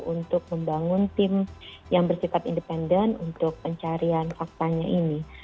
untuk membangun tim yang bersikap independen untuk pencarian faktanya ini